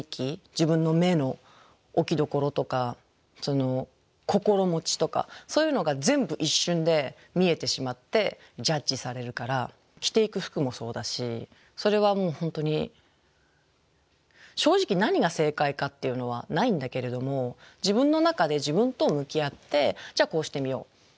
自分の目の置き所とか心持ちとかそういうのが全部一瞬で見えてしまってジャッジされるから着ていく服もそうだしそれはもう本当に正直何が正解かっていうのはないんだけれども自分の中で自分と向き合ってじゃあこうしてみよう。